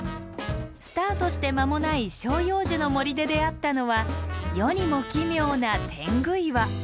スタートして間もない照葉樹の森で出会ったのは世にも奇妙な天狗岩。